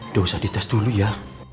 tidak usah dites dulu ya